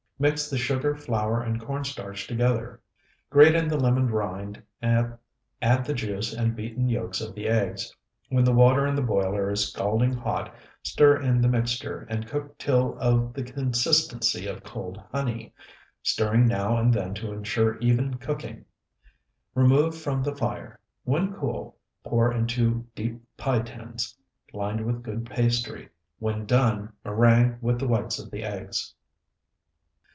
Mix the sugar, flour, and corn starch together; grate in the lemon rind, add the juice and beaten yolks of the eggs. When the water in the boiler is scalding hot, stir in the mixture, and cook till of the consistency of cold honey, stirring now and then to ensure even cooking. Remove from the fire; when cool, pour into deep pie tins, lined with good pastry. When done, meringue with the whites of the eggs.